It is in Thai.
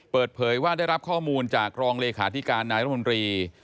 เปิดเผยว่าได้รับข้อมูลจากรองเลขาธิการนายรัฐมนตรี